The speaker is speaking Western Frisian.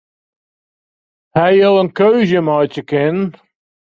Hawwe jo in keuze meitsje kinnen?